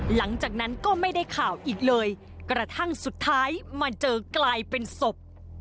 หลังจากนั้นก็ไม่ได้ข่าวอีกเลยกระทั่งสุดท้ายมาเจอกลายเป็นศพ